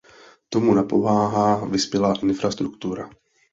Tomu napomáhá vyspělá infrastruktura.